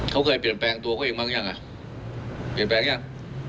เขาเคยเปลี่ยนแปลงตัวเขาเองบ้างยังอ่ะเปลี่ยนแปลงยัง